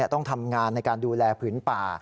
ต้องทำงานในการดูแลผืนป่า